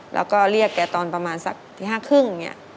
แล้วก็เรียกแกตอนประมาณสักทีห้าครึ่งอย่างนี้